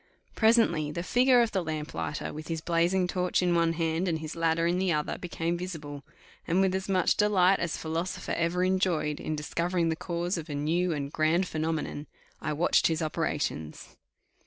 Presently the figure of the lamp lighter with his blazing torch in one hand, and his ladder in the other, became visible; and, with as much delight as philosopher ever enjoyed in discovering the cause of a new and grand phenomenon, I watched his operations.